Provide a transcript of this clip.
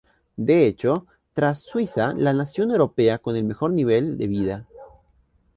De hecho, tras Suiza, la nación europea con el mejor nivel de vida.